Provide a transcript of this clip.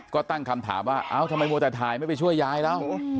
ก็ตั้งคำถามว่าเอ้าทำไมมัวแต่ถ่ายไม่ไปช่วยยายแล้ว